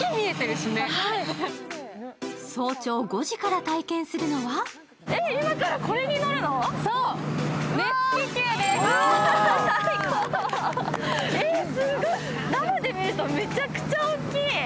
早朝５時から体験するのは生で見ると、めちゃくちゃ大きい！